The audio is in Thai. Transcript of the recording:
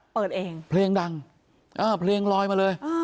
เปิดเองเพลงดังเพลงลอยมาเลย